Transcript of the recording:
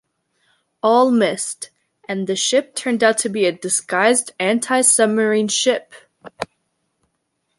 All missed, and the ship turned out to be a disguised antisubmarine ship.